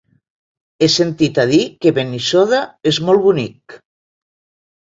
He sentit a dir que Benissoda és molt bonic.